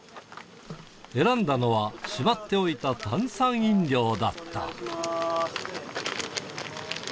選んだのはしまっておいた炭酸飲料だった。